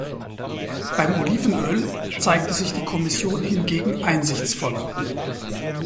Beim Olivenöl zeigte sich die Kommission hingegen einsichtsvoller.